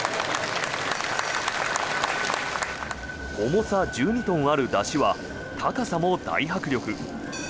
重さ１２トンある山車は高さも大迫力。